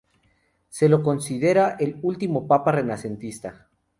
Se lo considera el último papa renacentista.